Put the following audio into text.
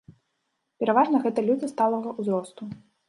Пераважна гэта людзі сталага ўзросту.